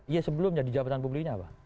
iya sebelumnya di jabatan publiknya apa